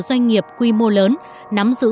doanh nghiệp quy mô lớn nắm giữ